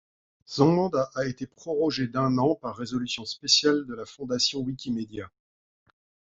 Son mandat a été prorogé d'un an par résolution spéciale de la fondation Wikimedia.